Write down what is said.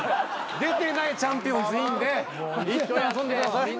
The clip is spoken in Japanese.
出てないちゃんぴおんずいいんでいったん遊んでください。